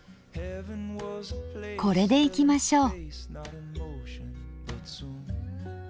これでいきましょう。